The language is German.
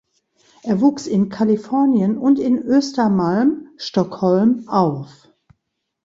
Er wuchs in Kalifornien und in Östermalm (Stockholm) auf.